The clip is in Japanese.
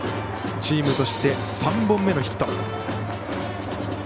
チームとして３本目のヒット。